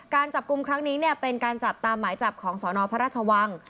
การจับกลุ่มครั้งนี้เป็นการจับตามหมายจับของสนพระราชวัง